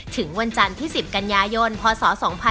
ถึงวันจันทร์ที่๑๐กันยายนพศ๒๕๖๒